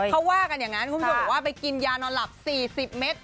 เขาว่ากันอย่างนั้นคุณผู้ชมบอกว่าไปกินยานอนหลับ๔๐เมตร